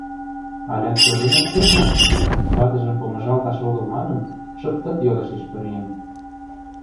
Алят шӧрлен от керт мо? — ватыжым помыжалташ огыл манын, шып-тып йодыштеш пӧръеҥ.